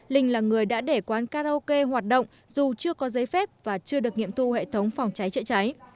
linh là người đã để quán karaoke hoạt động dù chưa có giấy phép và chưa được nghiệm thu hệ thống phòng cháy chữa cháy